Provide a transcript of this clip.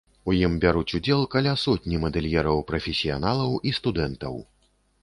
У ім бяруць удзел каля сотні мадэльераў-прафесіяналаў і студэнтаў.